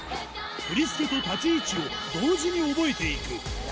振り付けと立ち位置を同時に覚えていく。